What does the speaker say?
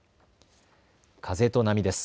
風と波です。